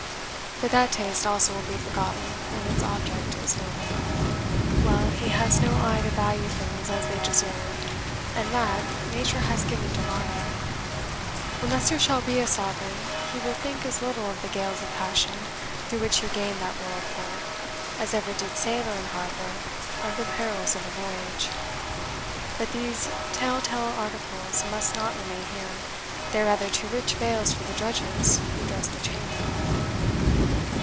But that taste also will be forgotten when its object is no more. Well, he has no eye to value things as they deserve, and that nature has given to Varney. When Leicester shall be a sovereign, he will think as little of the gales of passion through which he gained that royal port, as ever did sailor in harbour of the perils of a voyage. But these tell tale articles must not remain here they are rather too rich vails for the drudges who dress the chamber."